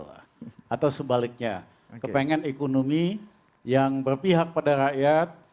atau sebaliknya kepengen ekonomi yang berpihak pada rakyat